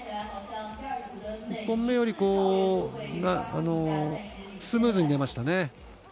１本目よりスムーズに出ましたね。